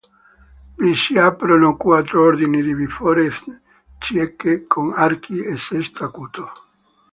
Vi si aprono quattro ordini di bifore cieche con archi a sesto acuto.